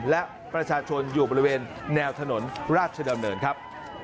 และประชาชนอยู่บริเวณแนวถนนราชดำเนินครับ